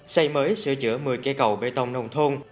xây mới sửa chữa một mươi cây cầu bê tông nông thôn